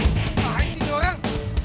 shanghai sini orang